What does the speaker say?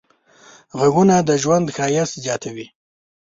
غږونه د ژوند ښایست زیاتوي.